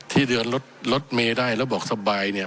ที่เดือนรถไม่ได้แล้วบอกสบายเนี่ย